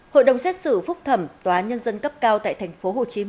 hội đồng xét xử phúc thẩm tòa án nhân dân cấp cao tại tp hcm không chấp nhận kháng cáo của tội phạm